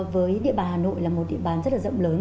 với địa bàn hà nội là một địa bàn rất là rộng lớn